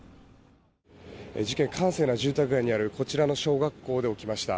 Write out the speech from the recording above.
事件は閑静な住宅街にあるこちらの小学校で起きました。